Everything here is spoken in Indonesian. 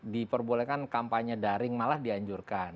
diperbolehkan kampanye daring malah dianjurkan